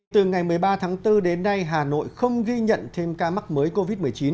từ ngày một mươi ba tháng bốn đến nay hà nội không ghi nhận thêm ca mắc mới covid một mươi chín